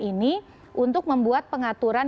ini untuk membuat pengaturan